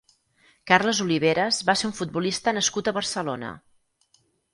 Carles Oliveras va ser un futbolista nascut a Barcelona.